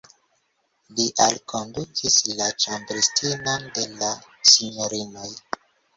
Li alkondukis la ĉambristinon de la sinjorinoj.